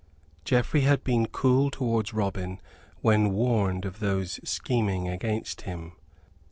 Geoffrey had been cool towards Robin when warned of those scheming against him.